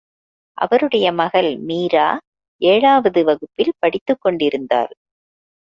அவருடைய மகள் மீரா ஏழாவது வகுப்பில் படித்துக்கொண்டிருந்தாள்.